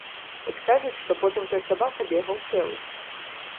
Хоць кажуць, што потым той сабака бегаў цэлы.